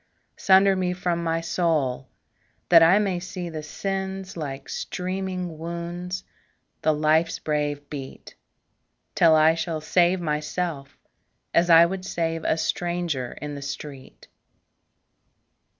Sunder me from my soul, that I may see The sins like streaming wounds, the life's brave beat; Till I shall save myself, as I would save A stranger in the street.